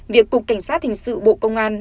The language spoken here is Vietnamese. việc cục cảnh sát thình sự bộ công an